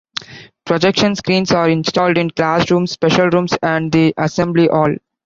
Projection screens are installed in classrooms, special rooms and the assembly hall.